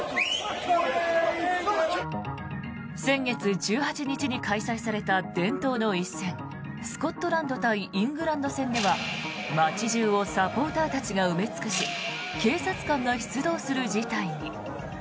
先月１８日に開催された伝統の一戦スコットランド対イングランド戦では街中をサポーターたちが埋め尽くし警察官が出動する事態に。